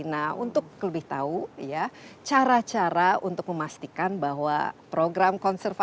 nah untuk lebih tahu ya cara cara untuk memastikan bahwa program konservasi